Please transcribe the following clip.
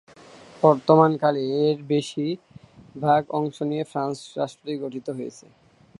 বর্তমানকালে এর বেশির ভাগ অংশ নিয়ে ফ্রান্স রাষ্ট্রটি গঠিত হয়েছে।